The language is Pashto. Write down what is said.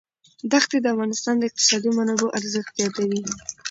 دښتې د افغانستان د اقتصادي منابعو ارزښت زیاتوي.